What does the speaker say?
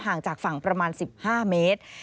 ห่างจากฝั่งประมาณ๑๕เมตร